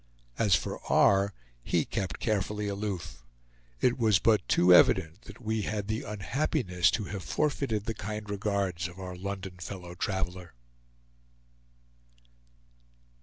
As for R., he kept carefully aloof. It was but too evident that we had the unhappiness to have forfeited the kind regards of our London fellow traveler.